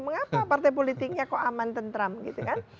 mengapa partai politiknya kok aman tentram gitu kan